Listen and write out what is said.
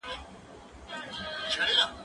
کښېناستل وکړه!.